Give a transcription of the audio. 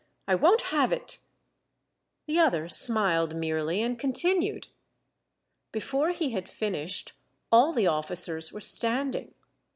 '' I won't have it." The other smiled merely and continued. Before he had finished, all the officers were standing.